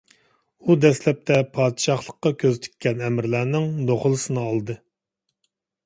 ئۇ دەسلەپتە پادىشاھلىققا كۆز تىككەن ئەمىرلەرنىڭ نوخلىسىنى ئالدى.